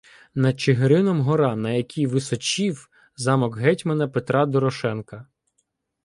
Над Чигирином — гора, на якій височів замок гетьмана Петра Дорошенка.